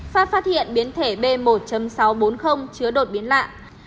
pháp phát hiện biến thể b một sáu trăm bốn mươi chứa đột biến lạng